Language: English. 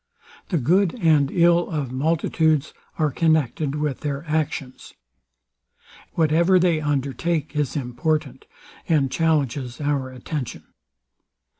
The good and ill of multitudes are connected with their actions. Whatever they undertake is important, and challenges our attention.